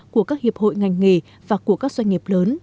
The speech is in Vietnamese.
của các hiệp hội ngành nghề và của các doanh nghiệp lớn